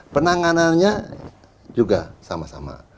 penanganannya juga sama sama